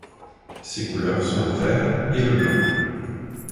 Ses couleurs sont le vert et le blanc.